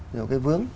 nhiều cái vướng